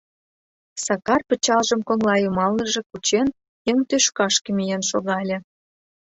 Сакар, пычалжым коҥлайымалныже кучен, еҥ тӱшкашке миен шогале.